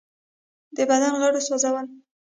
د بدن غوړو سوځول.